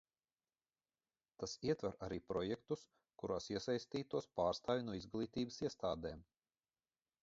Tas ietver arī projektus, kuros iesaistītos pārstāvji no izglītības iestādēm.